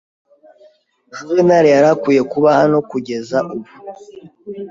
Juvenali yari akwiye kuba hano kugeza ubu.